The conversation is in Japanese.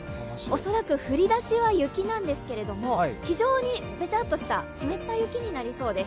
恐らく降りだしは雪なんですけど、非常にぺちゃっとした湿った雪になりそうです。